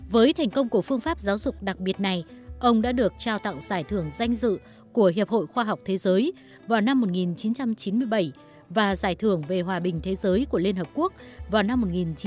với thành công của phương pháp giáo dục đặc biệt này ông đã được trao tặng giải thưởng danh dự của hiệp hội khoa học thế giới vào năm một nghìn chín trăm chín mươi bảy và giải thưởng về hòa bình thế giới của liên hợp quốc vào năm một nghìn chín trăm tám mươi